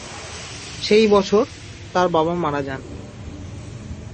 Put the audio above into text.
সেই বছর, তার বাবা মারা যান।